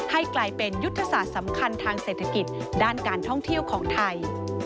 ให้กลายเป็นยุทธศาสตร์สำคัญทางเศรษฐกิจด้านการท่องเที่ยวของไทย